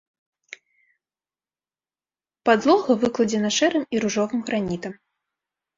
Падлога выкладзена шэрым і ружовым гранітам.